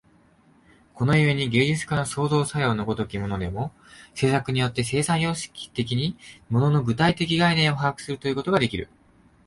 この故に芸術家の創造作用の如きものでも、制作によって生産様式的に物の具体概念を把握するということができる。